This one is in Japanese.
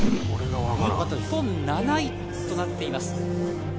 日本７位となっています。